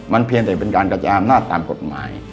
เพียงแต่เป็นการกระจายอำนาจตามกฎหมาย